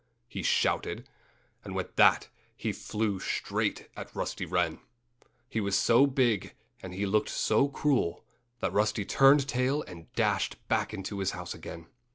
he shouted. And with that he flew straight at Rusty Wren. He was so big and he looked so cruel that Rusty turned tail and dashed back into his house again.